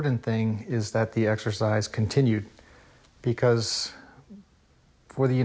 แต่เรื่องสำคัญมันถูกตรวจ